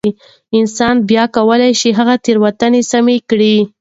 انسان بيا کولای شي هغه تېروتنې سمې کړي.